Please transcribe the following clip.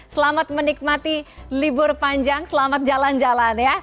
selamat menikmati libur panjang selamat jalan jalan ya